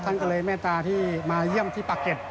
ท่านก็เลยเมตตาที่มาเยี่ยมที่ปากเก็ต